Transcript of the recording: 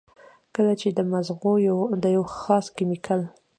کله چې د مزغو د يو خاص کېميکل